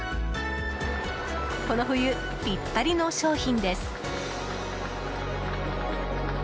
この冬、ぴったりの商品です。